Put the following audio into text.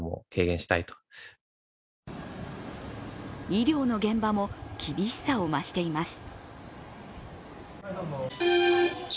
医療の現場も厳しさを増しています。